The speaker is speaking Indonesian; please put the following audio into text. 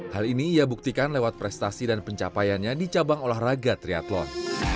hal ini ia buktikan lewat prestasi dan pencapaiannya di cabang olahraga triathlon